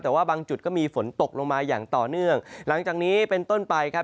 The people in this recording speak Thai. แต่ว่าบางจุดก็มีฝนตกลงมาอย่างต่อเนื่องหลังจากนี้เป็นต้นไปครับ